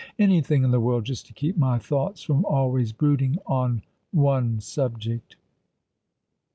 Anything in the world — ^just to keep my thoughts from always brooding on one subject."